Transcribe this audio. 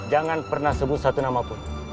jangan pernah sebut satu nama pun